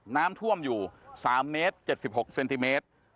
น้ำท่วมอยู่๓เมตร๗๖เซนติเมตร